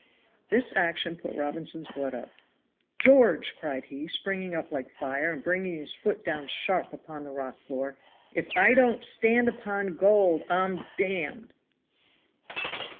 This action put Robinson's blood up. "George," cried he, springing up like fire and bringing his foot down sharp upon the rocky floor, "IF I DON'T STAND UPON GOLD I'M D D!"